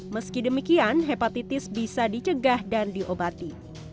meski demikian hepatitis bisa dicegah dan diobati